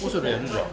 じゃあ。